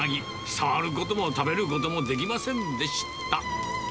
触ることも食べることもできませんでした。